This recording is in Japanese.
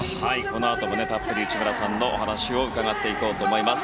このあともたっぷり内村さんのお話を伺っていきたいと思います。